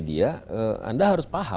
vind medal itu berbeda